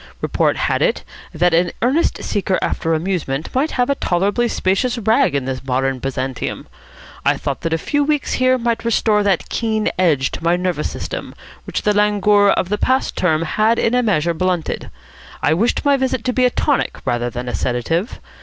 Report had it that an earnest seeker after amusement might have a tolerably spacious rag in this modern Byzantium. I thought that a few weeks here might restore that keen edge to my nervous system which the languor of the past term had in a measure blunted. I wished my visit to be a tonic rather than a sedative.